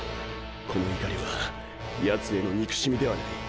この怒りはヤツへの憎しみではない。